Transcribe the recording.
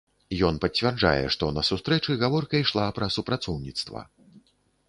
Ён пацвярджае, што на сустрэчы гаворка ішла пра супрацоўніцтва.